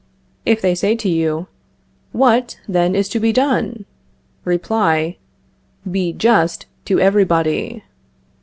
If they say to you: What, then, is to be done? Reply: Be just to everybody.